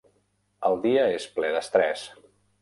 El dia és ple d'estrès.